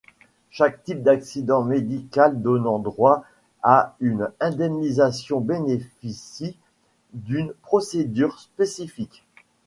Chaque type d’accident médical donnant droit à une indemnisation bénéficie d’une procédure spécifique.